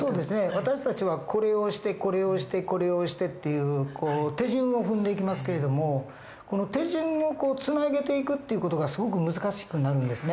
私たちはこれをしてこれをしてこれをしてっていう手順を踏んでいきますけれどもこの手順をつなげていくっていう事がすごく難しくなるんですね。